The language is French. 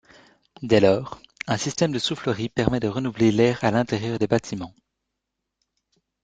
Dès lors, un système de soufflerie permet de renouveler l’air à l’intérieur des bâtiments.